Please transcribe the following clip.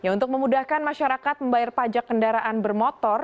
untuk memudahkan masyarakat membayar pajak kendaraan bermotor